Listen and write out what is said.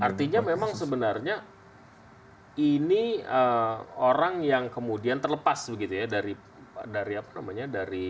artinya memang sebenarnya ini orang yang kemudian terlepas begitu ya